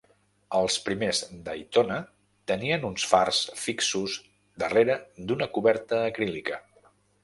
Els primers Daytona tenien uns fars fixos darrere d'una coberta acrílica.